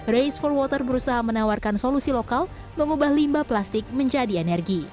race for water berusaha menawarkan solusi lokal mengubah limbah plastik menjadi energi